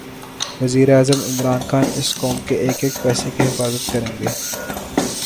وزیراعظم عمران خان اس قوم کے ایک ایک پیسے کی حفاظت کریں گے